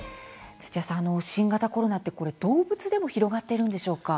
土屋さん、新型コロナって動物でも広がっているんでしょうか？